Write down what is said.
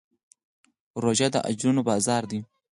روژه د اجرونو بازار دی.